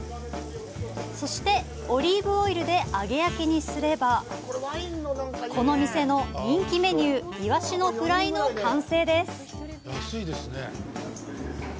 そしてオリーブオイルで揚げ焼きにすれば、この店の人気メニューイワシのフライの完成です。